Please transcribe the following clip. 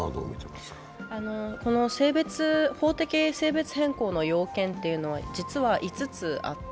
法的性別変更の要件っていうのは実は５つあって。